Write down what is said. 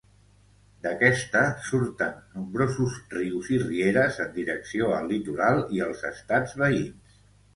D'aquesta surten nombrosos rius i rieres en direcció al litoral i als estats veïns.